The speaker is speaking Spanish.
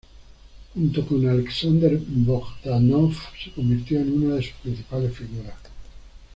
Junto con Aleksandr Bogdánov, se convirtió en una de sus principales figuras.